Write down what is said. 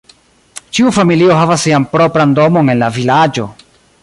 Ĉiu familio havas sian propran domon en la vilaĝo.